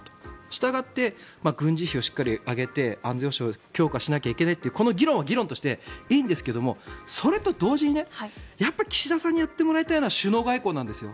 したがって軍事費をしっかり上げて安全保障を強化しないといけないというこの議論は議論としていいんですけどそれと同時に岸田さんにやってもらいたいのは首脳外交なんですよ。